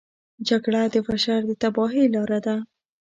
جګړه د بشر د تباهۍ لاره ده